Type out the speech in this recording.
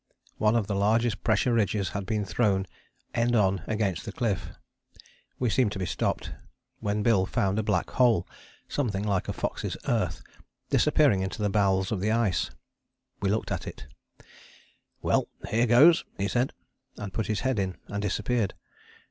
One of the largest pressure ridges had been thrown, end on, against the cliff. We seemed to be stopped, when Bill found a black hole, something like a fox's earth, disappearing into the bowels of the ice. We looked at it: "Well, here goes!" he said, and put his head in, and disappeared.